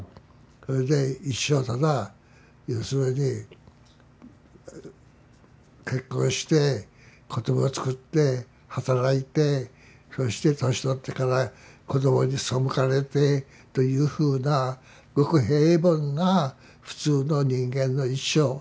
それで一生ただ要するに結婚して子どもつくって働いてそして年取ってから子どもに背かれてというふうなごく平凡な普通の人間の一生。